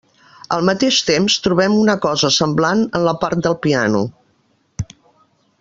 Al mateix temps, trobem una cosa semblant en la part del piano.